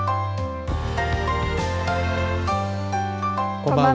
こんばんは。